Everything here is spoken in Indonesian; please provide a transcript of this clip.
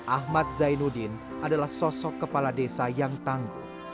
ahmad zainuddin adalah sosok kepala desa yang tangguh